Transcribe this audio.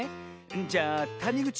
じゃあたにぐち